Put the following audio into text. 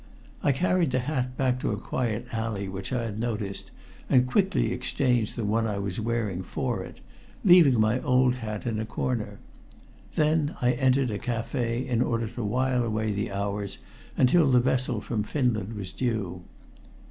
I carried the hat back to a quiet alley which I had noticed, and quickly exchanged the one I was wearing for it, leaving my old hat in a corner. Then I entered a café in order to while away the hours until the vessel from Finland was due.